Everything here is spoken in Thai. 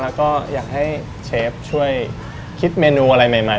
แล้วก็อยากให้เชฟช่วยคิดเมนูอะไรใหม่